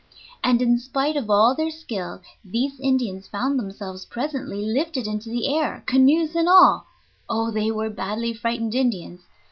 And in spite of all their skill these Indians found themselves presently lifted into the air, canoes and all (oh, they were badly frightened Indians!)